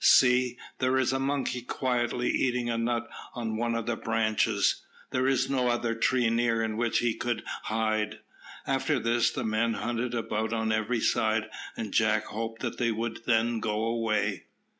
"See! there is a monkey quietly eating a nut on one of the branches. There is no other tree near in which he could hide." After this the men hunted about on every side, and Jack hoped that they would then go away.